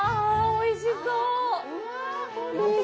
おいしそう！！